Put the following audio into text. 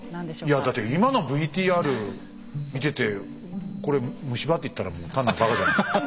いやだって今のＶＴＲ見ててこれ「虫歯」って言ったらもう単なるばかじゃないの。